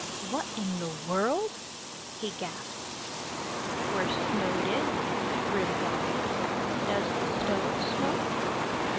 "What in the world " he gasped. "We're snowed in," grinned Wabi. "Does the stove smoke?"